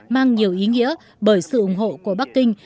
mang nhiều ý nghĩa bởi sự ủng hộ của bắc kinh